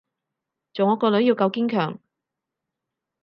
做我個女要夠堅強